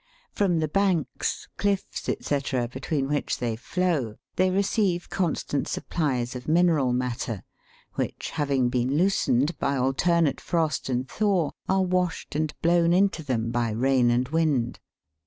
From the banks, cliffs, &c., between which they flow, they receive constant supplies of mineral matter, which, having been loosened by alternate frost and thaw, are washed and blown into them by rain and wind.